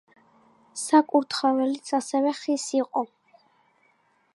საკურთხეველიც ასევე ხის იყო.